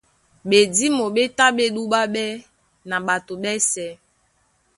Ɓedímo ɓé tá ɓé dúɓáɓɛ́ na ɓato ɓɛ́sɛ̄.